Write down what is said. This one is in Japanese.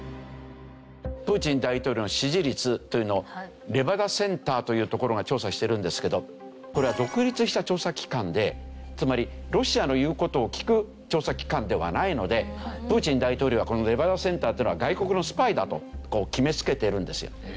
プーチン大統領の支持率というのをレバダ・センターというところが調査してるんですけどこれは独立した調査機関でつまりロシアの言う事を聞く調査機関ではないのでプーチン大統領はこのレバダ・センターっていうのは外国のスパイだと決めつけているんですよ。